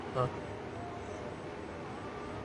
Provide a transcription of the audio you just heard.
Cuando logra seis puntos, gana el juego.